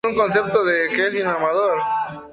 Tiene dos hermanas Michelle y Megan Miller.